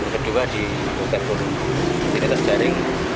kedua di hotel burung di atas jaring